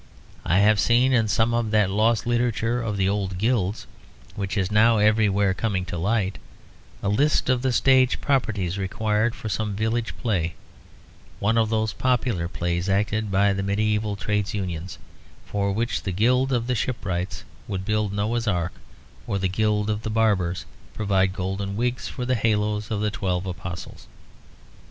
I have seen in some of that lost literature of the old guilds, which is now everywhere coming to light, a list of the stage properties required for some village play, one of those popular plays acted by the medieval trades unions, for which the guild of the shipwrights would build Noah's Ark or the guild of the barbers provide golden wigs for the haloes of the Twelve Apostles.